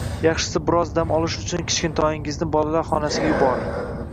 yaxshisi bir oz dam olish uchun kichkintoyingizni bolalar xonasiga yuboring.